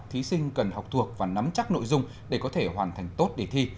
thí sinh cần học thuộc và nắm chắc nội dung để có thể hoàn thành tốt để thi